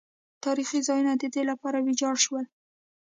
تاریخي ځایونه د دې لپاره ویجاړ شول.